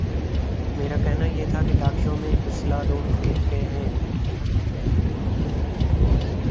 میرا کہنا یہ تھا کہ ٹاک شو میں اصلا دو فریق ہیں۔